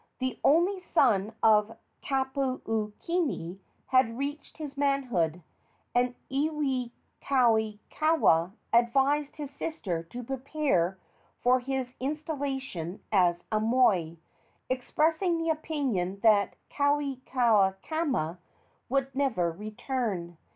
The only son of Kapukini had reached his manhood, and Iwikauikaua advised his sister to prepare for his installation as moi, expressing the opinion that Kauhiakama would never return.